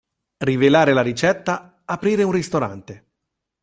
Rivelare la ricetta, aprire un ristorante.